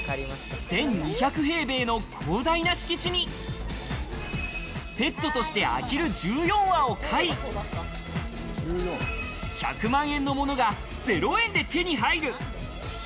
１２００平米の広大な敷地に、ペットとしてアヒル１４羽を飼い、１００万円のものが０円で手に入る。